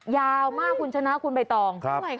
ยาวมากคุณชนะคุณใบตอง